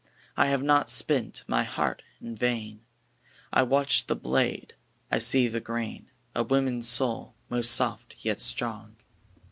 I have not spent my heart in vain. I watched the blade; I see the grain; A woman's soul, most soft, yet strong.